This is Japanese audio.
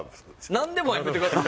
なんでもはやめてください。